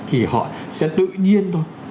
thì họ sẽ tự nhiên thôi